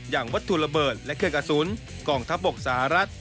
อย่างวัตถุระเบิดและเครื่องกระสุนกองทัพบกสหรัฐ